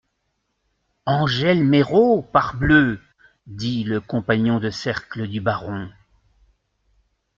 Angèle Méraud, parbleu ! dit le compagnon de cercle du baron.